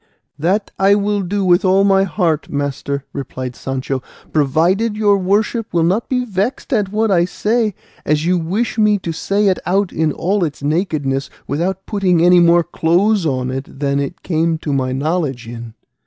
"That I will do with all my heart, master," replied Sancho, "provided your worship will not be vexed at what I say, as you wish me to say it out in all its nakedness, without putting any more clothes on it than it came to my knowledge in."